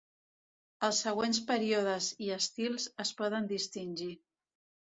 Els següents períodes i estils es poden distingir.